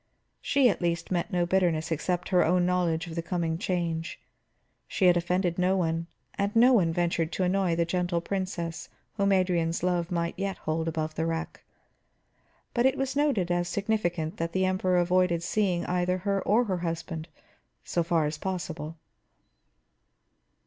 She at least met no bitterness except her own knowledge of the coming change; she had offended no one, and no one ventured to annoy the Gentle Princess whom Adrian's love might yet hold above the wreck. But it was noted as significant that the Emperor avoided seeing either her or her husband, so far as possible.